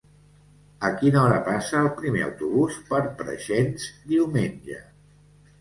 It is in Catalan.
A quina hora passa el primer autobús per Preixens diumenge?